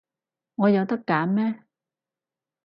我有得揀咩？